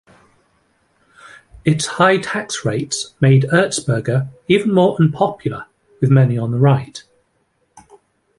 Its high tax rates made Erzberger even more unpopular with many on the right.